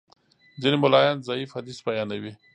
ځینې ملایان ضعیف حدیث بیانوي.